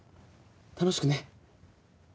楽しくね。